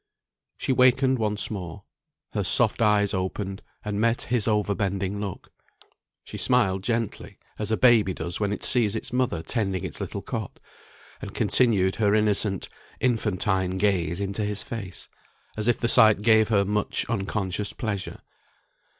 She wakened once more; her soft eyes opened, and met his over bending look. She smiled gently, as a baby does when it sees its mother tending its little cot; and continued her innocent, infantine gaze into his face, as if the sight gave her much unconscious pleasure.